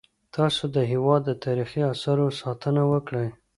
تاسو د هیواد د تاریخي اثارو ساتنه وکړئ.